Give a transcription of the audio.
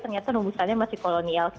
ternyata rumusannya masih kolonial